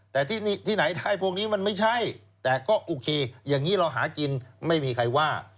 แต่ที่ไหนได้พวกนี้มันไม่ใช่แต่ก็โอเคอย่างนี้เราหากินไม่มีใครว่า